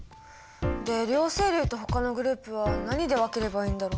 で両生類とほかのグループは何で分ければいいんだろう？